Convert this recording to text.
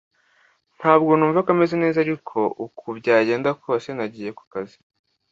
Ntabwo numvaga meze neza, ariko uko byagenda kose nagiye ku kazi.